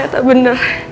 saya tak bener